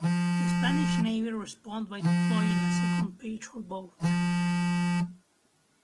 The Spanish Navy responded by deploying a second patrol boat.